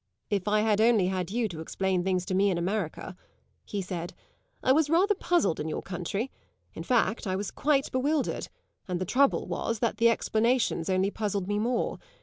"If I had only had you to explain things to me in America!" he said. "I was rather puzzled in your country; in fact I was quite bewildered, and the trouble was that the explanations only puzzled me more.